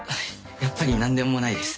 やっぱり何でもないです。